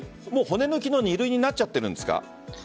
骨抜きの２類になっちゃってるんですか？